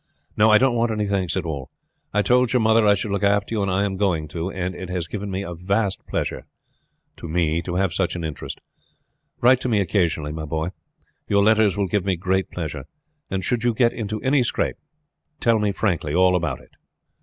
No, I don't want any thanks at all. I told your mother I should look after you, and I am going to, and it has given a vast pleasure to me to have such an interest. Write to me occasionally, my boy; your letters will give me great pleasure. And should you get into any scrape, tell me frankly all about it."